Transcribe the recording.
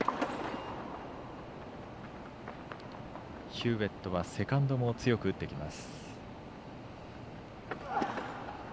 ヒューウェットはセカンドも強く打ってきます。